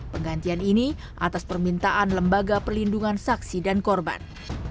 penggantian ini atas permintaan lembaga perlindungan saksi dan korban